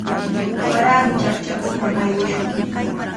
Warami chaqchakuqman aywashun.